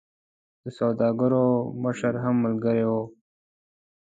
د سوداګرو مشر هم ملګری وو.